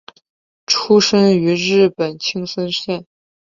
出身于日本青森县。